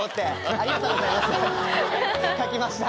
ありがとうございます描きました。